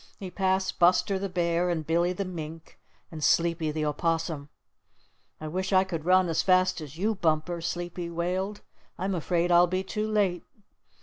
He passed Buster the Bear and Billy the Mink and Sleepy the Opossum. "I wish I could run as fast as you, Bumper," Sleepy wailed. "I'm afraid I'll be too late."